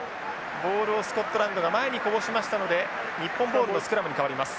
ボールをスコットランドが前にこぼしましたので日本ボールのスクラムに変わります。